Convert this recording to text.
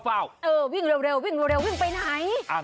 เออวิ่งเร็ววิ่งไปไหน